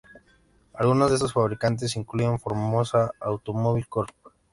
Algunos de estos fabricantes incluyen Formosa Automobile Corp.